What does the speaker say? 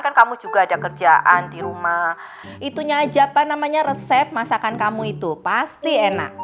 kan kamu juga ada kerjaan di rumah itunya aja apa namanya resep masakan kamu itu pasti enak